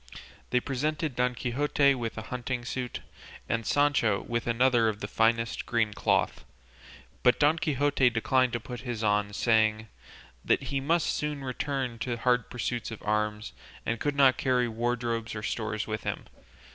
They presented Don Quixote with a hunting suit, and Sancho with another of the finest green cloth; but Don Quixote declined to put his on, saying that he must soon return to the hard pursuit of arms, and could not carry wardrobes or stores with him.